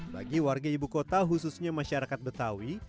bagi warga ibu kota khususnya masyarakat betawi